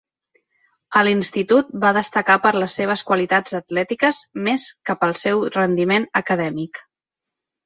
A l'institut va destacar per les seves qualitats atlètiques més que pel seu rendiment acadèmic.